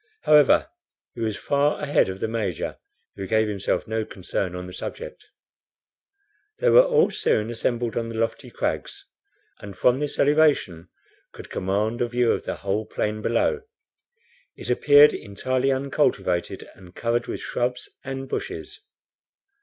However, he was far ahead of the Major, who gave himself no concern on the subject. They were all soon assembled on the lofty crags, and from this elevation could command a view of the whole plain below. It appeared entirely uncultivated, and covered with shrubs and bushes.